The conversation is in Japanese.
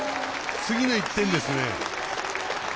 次の１点ですね。